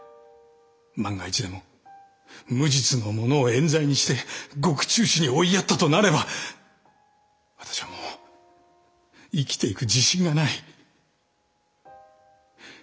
万が一でも無実の者をえん罪にして獄中死に追いやったとなれば私はもう生きていく自信がない。